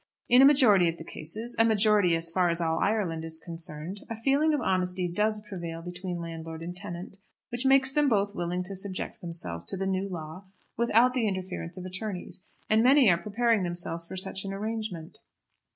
In a majority of cases, a majority as far as all Ireland is concerned, a feeling of honesty does prevail between landlord and tenant, which makes them both willing to subject themselves to the new law without the interference of attorneys, and many are preparing themselves for such an arrangement.